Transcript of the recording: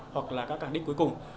hoặc là các cảng đích cuối cùng